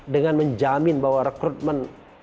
dengan menjamin bahwa rekrutmennya